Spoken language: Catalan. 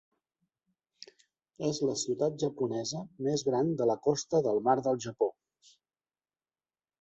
És la ciutat japonesa més gran de la costa del mar del Japó.